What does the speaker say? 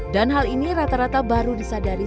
dan hal ini rata rata baru disadari